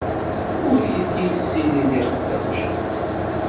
Ur yelli yessirid iqbac.